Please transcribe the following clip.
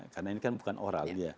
karena ini bukan oral